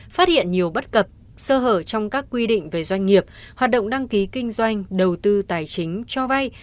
phát hiện nhiều bất cập sơ hở trong các quy định về doanh nghiệp hoạt động đăng ký kinh doanh đầu tư tài chính cho vay